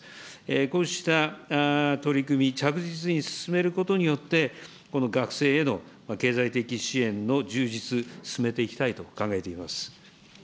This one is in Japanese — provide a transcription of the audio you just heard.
こうした取り組み、着実に進めることによって、この学生への経済的支援の充実、進めていきたいと考えています。